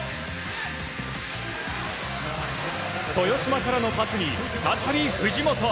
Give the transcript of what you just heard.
豊島からのパスに、再び藤本。